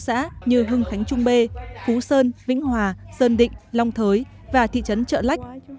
các xã như hưng khánh trung bê phú sơn vĩnh hòa sơn định long thới và thị trấn trợ lách